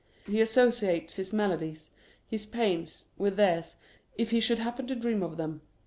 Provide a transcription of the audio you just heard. He associates his maladies, his pains, with theirs, if he should happen to dream of them.